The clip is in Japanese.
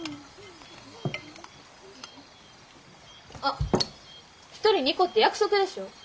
あっ１人２個って約束でしょ。